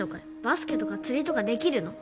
バスケとか釣りとかできるの？